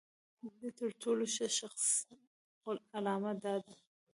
د تر ټولو ښه شخص علامه دا ده.